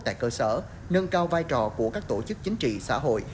tại cơ sở nâng cao vai trò của các tổ chức chính trị xã hội